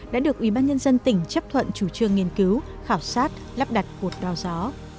đã được ubnd tỉnh chấp thuận chủ trương nghiên cứu khảo sát lắp đặt cuộc đào gió